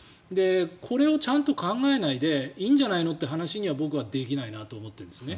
これをちゃんと考えないでいいんじゃないのという話には僕はできないと思っているんです。